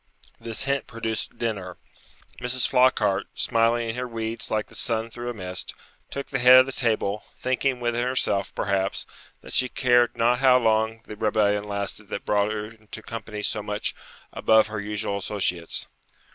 This hint produced dinner. Mrs. Flockhart, smiling in her weeds like the sun through a mist, took the head of the table, thinking within herself, perhaps, that she cared not how long the rebellion lasted that brought her into company so much above her usual associates.